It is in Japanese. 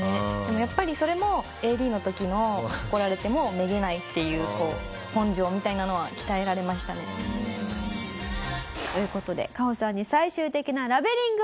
やっぱりそれもＡＤの時の怒られてもめげないっていう根性みたいなのは鍛えられましたね。という事でカホさんに最終的なラベリングを。